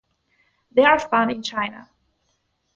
They are found in China.